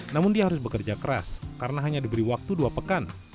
namun dia harus bekerja keras karena hanya diberi waktu dua pekan